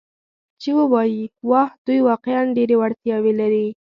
چې ووایي: 'واو، دوی واقعاً ډېرې وړتیاوې لري.